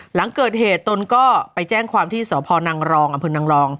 หลังเกิดเหตุตนก็ไปแจ้งความที่สพนรอำพืนนร